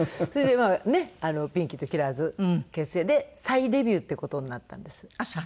それでピンキーとキラーズ結成で再デビューっていう事になったんです。